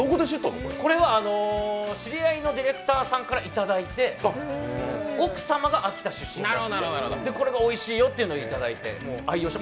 これは知り合いのディレクターさんからいただいて奥様が秋田出身らしくて、これがおいしいよというのを頂いて愛用して。